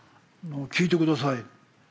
「聞いてください。